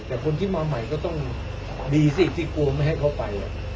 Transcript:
แต่คนที่มาใหม่ก็ต้องดีสิที่กลัวไม่ให้เขาไป